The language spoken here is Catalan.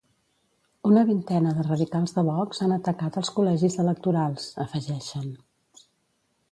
Una vintena de radicals de Vox han atacat els col·legis electorals, afegeixen.